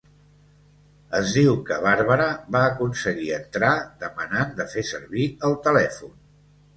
Es diu que Barbara va aconseguir entrar demanant de fer servir el telèfon.